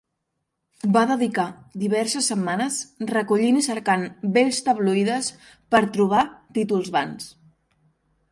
Va dedicar diverses setmanes recollint i cercant vells tabloides per trobar títols vans.